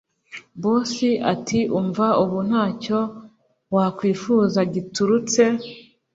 Boss atiumva ubu ntacyo wakwifuza giturutse